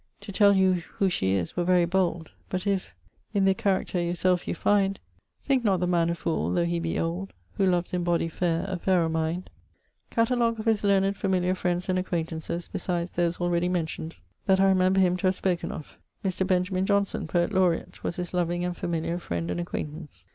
3. To tell you who she is were very bold; But if i' th' character your selfe you find Thinke not the man a fool thô he be old Who loves in body fair a fairer mind. Catalogue of his learned familiar friends and acquaintances, besides those already mentioned, that I remember him to have spoken of. Mr. Benjamin Johnson, Poet Laureat, was his loving and familiar friend and acquaintance.